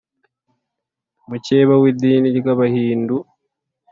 mukeba w’idini ry’abahindu